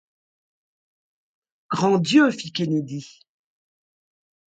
Grand Dieu ! fit Kennedy.